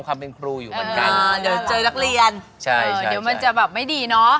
ความเป็นครูอยู่เหมือนกัน